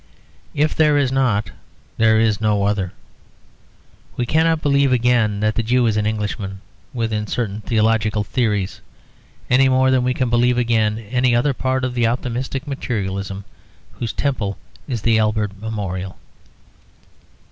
If there is not, there is no other. We cannot believe again that the Jew is an Englishman with certain theological theories, any more than we can believe again any other part of the optimistic materialism whose temple is the Albert Memorial.